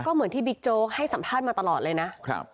ก็เหมือนที่บิ๊กโจ๊กให้สัมภาษณ์มาตลอดเลยนะ